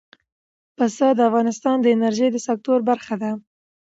پسه د افغانستان د انرژۍ د سکتور برخه ده.